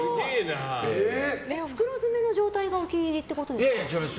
袋詰めの状態がお気に入りってことですか？